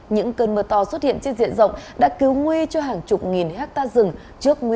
những cơn mưa to xuất hiện trên diện rộng đã cứu nguy cho hàng chục nghìn hectare rừng